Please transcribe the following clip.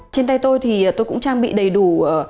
trên tay tôi thì tôi cũng trang bị đầy đủ